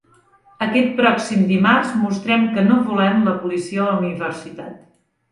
Aquest pròxim dimarts mostrem que no volem la policia a la universitat.